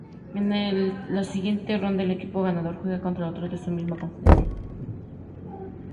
En la siguiente ronda, el equipo ganador juega contra otro de su misma conferencia.